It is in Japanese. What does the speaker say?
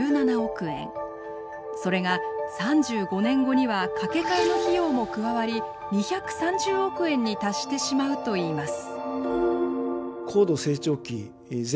それが３５年後には架け替えの費用も加わり２３０億円に達してしまうといいます。